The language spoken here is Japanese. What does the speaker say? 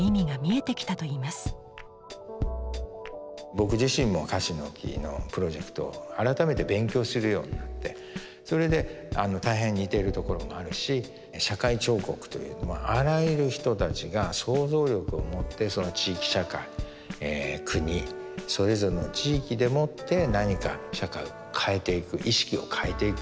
僕自身も樫の木のプロジェクトを改めて勉強するようになってそれで大変似てるところもあるし社会彫刻というのはあらゆる人たちが想像力をもって地域社会国それぞれの地域でもって何か社会を変えていく意識を変えていく。